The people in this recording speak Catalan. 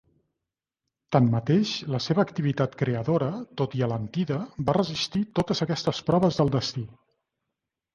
Tanmateix, la seva activitat creadora, tot i alentida, va resistir totes aquestes proves del destí.